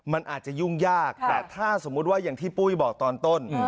มันอาจจะยุ่งยากแต่ถ้าสมมุติว่าอย่างที่ปุ้ยบอกตอนต้น